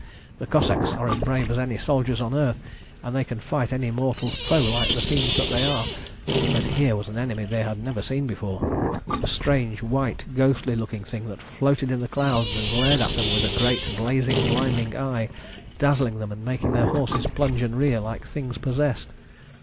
The Cossacks are as brave as any soldiers on earth, and they can fight any mortal foe like the fiends that they are, but here was an enemy they had never seen before, a strange, white, ghostly looking thing that floated in the clouds and glared at them with a great blazing, blinding eye, dazzling them and making their horses plunge and rear like things possessed.